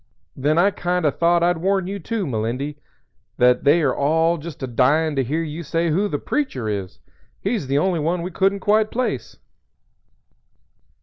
_ Then I kind o' thought I'd warn you, too, Melindy, that they all are just a dyin' to hear you say who 'The Preacher' is. He's the only one we couldn't quite place."